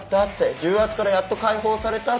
重圧からやっと解放されたって。